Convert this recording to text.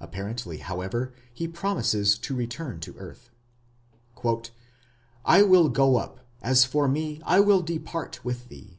Apparently, however, he promises to return to earth. ... I will go up, as for me I will depart with thee